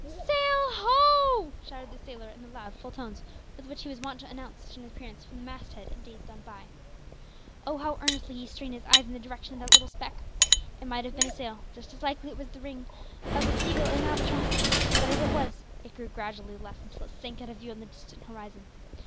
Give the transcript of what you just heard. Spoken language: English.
"Sail ho!" shouted the sailor in the loud, full tones with which he was wont to announce such an appearance from the mast head in days gone by. Oh, how earnestly he strained his eyes in the direction of that little speck! It might have been a sail; just as likely it was the wing of a sea gull or an albatross. Whatever it was, it grew gradually less until it sank out of view on the distant horizon.